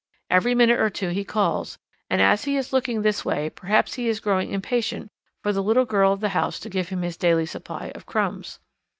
Every minute or two he calls, and as he is looking this way perhaps he is growing impatient for the little girl of the house to give him his daily supply of crumbs.